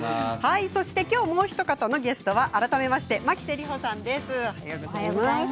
今日もうひと方のゲストは改めまして牧瀬里穂さんです。